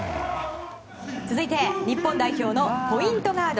そして日本代表のポイントガード